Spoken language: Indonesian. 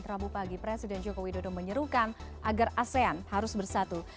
rabu pagi presiden joko widodo menyerukan agar asean harus bersatu